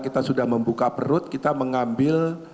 kita sudah membuka perut kita mengambil